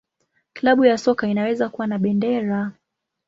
Klabu ya soka inaweza kuwa na bendera.